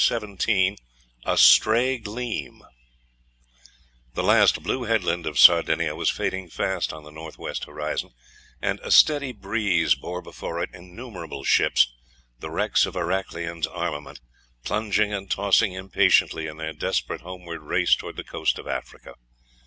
CHAPTER XVII: A STRAY GLEAM THE last blue headland of Sardinia was fading fast on the north west horizon, and a steady breeze bore before it innumerable ships, the wrecks of Heraclian's armament, plunging and tossing impatiently in their desperate homeward race toward the coast of Africa.